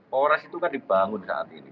polres itu kan dibangun saat ini